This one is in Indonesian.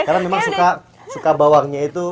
karena memang suka bawangnya itu